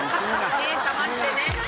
目覚ましてね。